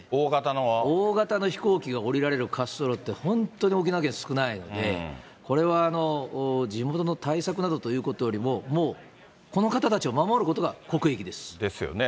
大型の飛行機が降りられる滑走路って、本当に沖縄県、少ないので、これは地元の対策などということよりも、もうこの方たちを守ることが国益です。ですよね。